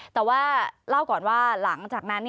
แต่ว่าเล่าก่อนว่าหลังจากนั้น